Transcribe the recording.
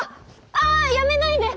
ああやめないで！